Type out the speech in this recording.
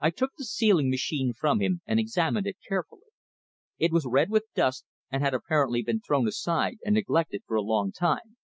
I took the sealing machine from him and examined it carefully. It was red with dust, and had apparently been thrown aside and neglected for a long time.